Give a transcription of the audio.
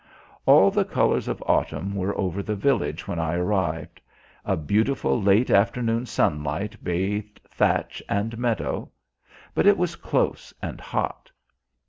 All the colours of autumn were over the village when I arrived. A beautiful late afternoon sunlight bathed thatch and meadow. But it was close and hot.